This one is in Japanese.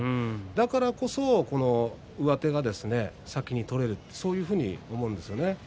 だからこそ上手が先に取れるそういうふうに思うんですね。